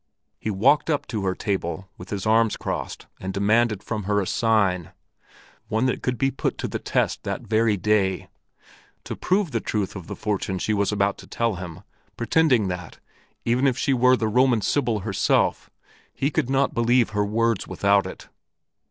He walked up to her table with his arms crossed and demanded from her a sign one that could be put to the test that very day to prove the truth of the fortune she was about to tell him, pretending that, even if she were the Roman Sibyl herself, he could not believe her words without it.